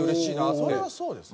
それはそうですよ。